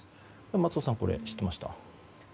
松尾さんこれは知っていました？